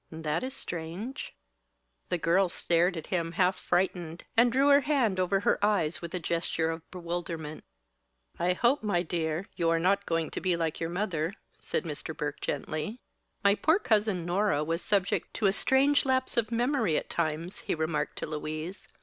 That is strange." The girl stared at him half frightened, and drew her hand over her eyes with a gesture of bewilderment. "I hope, my dear, you are not going to be like your mother," said Mr. Burke, gently. "My poor cousin Nora was subject to a strange lapse of memory at times," he remarked to Louise.